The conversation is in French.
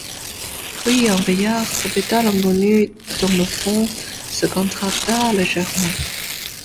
Oui, un vieillard, répéta l’inconnu dont le front se contracta légèrement.